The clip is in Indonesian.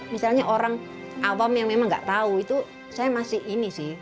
misalnya orang awam yang memang nggak tahu itu saya masih ini sih